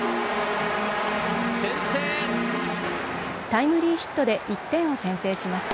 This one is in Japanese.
タイムリーヒットで１点を先制します。